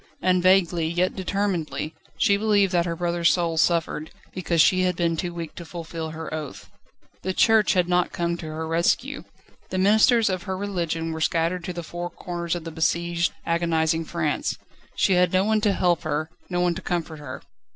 And vaguely, yet determinedly, she believed that her brother's soul suffered, because she had been too weak to fulfil her oath. The Church had not come to her rescue. The ministers of her religion were scattered to the four corners of besieged, agonising France. She had no one to help her, no one to comfort her.